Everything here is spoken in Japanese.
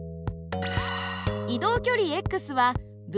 移動距離はυ−